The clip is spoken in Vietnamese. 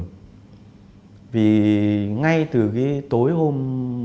thì ngay từ cái tối hôm